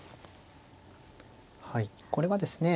はいこれはですね